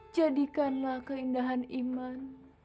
jadikanlah keindahan iman